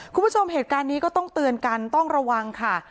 คุณผู้ชมเหตุการณ์นี้ก็ต้องเตือนกันต้องระวังค่ะ